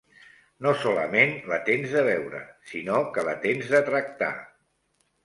No solament la tens de veure, si no que la tens de tractar.